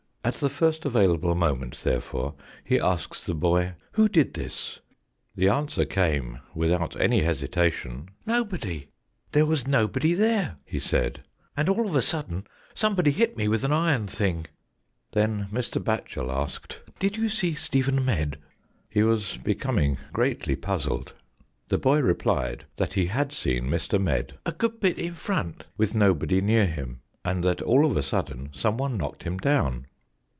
At the first available raoment, therefore, he asks the boy, " Who did this ?" The answer came, without any hesitation, " Nobody." " There was nobody there," he said, " and all of a sudden somebody hit me with an iron thing." Then Mr. Batchel asked, "Did you see Stephen Medd?" He was becoming gre&tly puzzled. The boy replied that he had seen Mr. Medd "a good bit in front," with nobody near him, and that all of a sudden someone knocked him down.